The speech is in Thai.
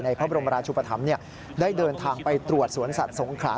พระบรมราชุปธรรมได้เดินทางไปตรวจสวนสัตว์สงขรา